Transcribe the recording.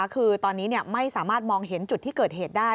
คือตอนนี้ไม่สามารถมองเห็นจุดที่เกิดเหตุได้